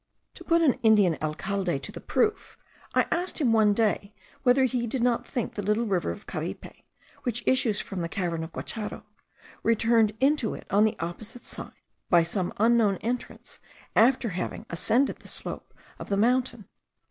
To put an Indian alcalde to the proof, I asked him one day, whether he did not think the little river of Caripe, which issues from the cavern of the Guacharo, returned into it on the opposite side by some unknown entrance, after having ascended the slope of the mountain.